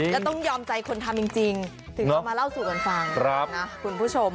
แล้วต้องยอมใจคนทำจริงถึงเอามาเล่าสู่กันฟังนะคุณผู้ชม